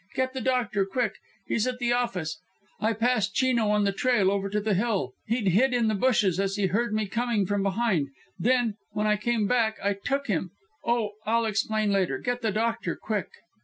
Get the doctor, quick! He's at the office. I passed Chino on the trail over to the Hill. He'd hid in the bushes as he heard me coming from behind, then when I came back I took him. Oh, I'll explain later. Get the doctor, quick."